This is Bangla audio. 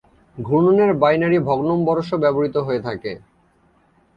ঘূর্ণনের বাইনারি ভগ্নম্বরশও ব্যবহৃত হয়ে থাকে।